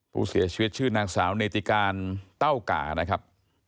ผู้เสียชีวิตชื่อนางสาวเนติการเต้าก่านะครับ